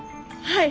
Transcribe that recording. はい。